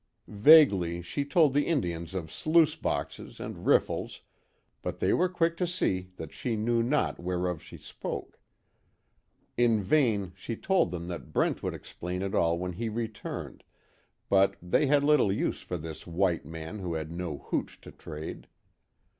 Vaguely, she told the Indians of sluice boxes and riffles, but they were quick to see that she knew not whereof she spoke. In vain, she told them that Brent would explain it all when he returned, but they had little use for this white man who had no hooch to trade.